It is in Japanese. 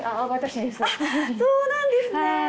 そうなんですね。